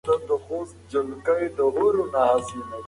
خو منډېلا هره خاطره په مینه بدله کړه.